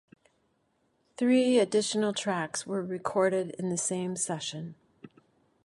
Three additional tracks were recorded in the same session.